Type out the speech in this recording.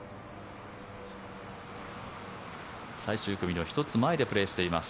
最終組の１つ前でプレーしています。